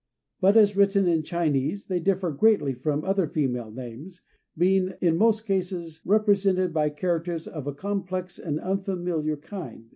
But as written in Chinese they differ greatly from other female names, being in most cases represented by characters of a complex and unfamiliar kind.